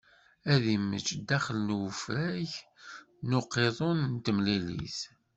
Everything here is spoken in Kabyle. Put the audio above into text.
Ad immečč daxel n ufrag n uqiḍun n temlilit.